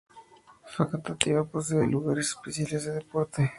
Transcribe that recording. Facatativá posee lugares especiales de deporte.